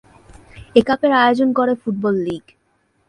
এই কাপের আয়োজন করে ফুটবল লীগ।